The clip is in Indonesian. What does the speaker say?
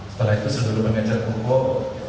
setelah itu sebelum mengejar pokok